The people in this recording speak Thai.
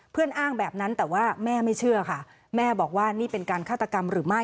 อ้างแบบนั้นแต่ว่าแม่ไม่เชื่อค่ะแม่บอกว่านี่เป็นการฆาตกรรมหรือไม่